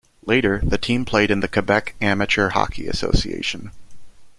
Later the team played in the Quebec Amateur Hockey Association.